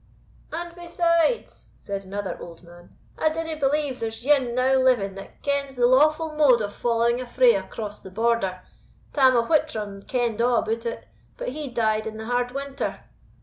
"And besides," said another old man, "I dinna believe there's ane now living that kens the lawful mode of following a fray across the Border. Tam o' Whittram kend a' about it; but he died in the hard winter."